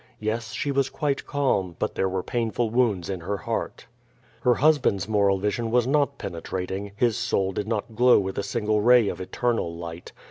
Yes, she was quite calm, but there were painful wounds in her heart. Her husband*8 moral vision was not penetrating, his soul did not glow with a single ray of eternal light.